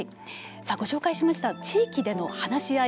さあ、ご紹介しました地域での話し合い。